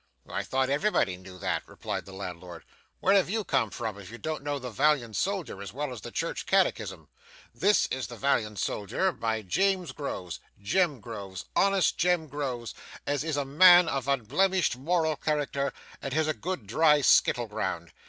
'I thought everybody knew that,' replied the landlord. 'Where have you come from, if you don't know the Valiant Soldier as well as the church catechism? This is the Valiant Soldier, by James Groves Jem Groves honest Jem Groves, as is a man of unblemished moral character, and has a good dry skittle ground.